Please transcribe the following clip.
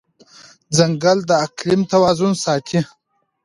ځنګل د اقلیم توازن ساتي.